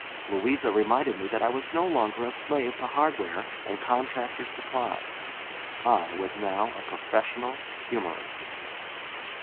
Louisa reminded me that I was no longer a slave to hardware and contractors' supplies. I was now a professional humorist.